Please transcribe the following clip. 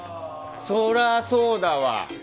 そりゃそうだわ。